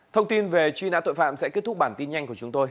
thông tin về truy nã tội phạm sẽ kết thúc bản tin nhanh của chúng tôi